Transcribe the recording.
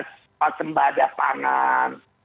tempat tembaga pangan